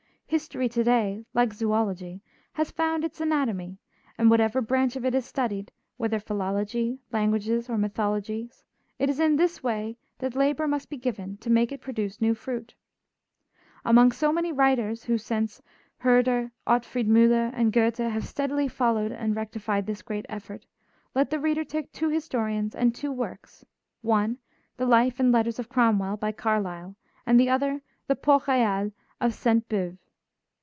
History to day, like zoölogy, has found its anatomy, and whatever branch of it is studied, whether philology, languages or mythologies, it is in this way that labor must be given to make it produce new fruit. Among so many writers who, since Herder, Ottfried Müller, and Goethe have steadily followed and rectified this great effort, let the reader take two historians and two works, one "The Life and Letters of Cromwell" by Carlyle, and the other the "Port Royal" of Sainte Beuve.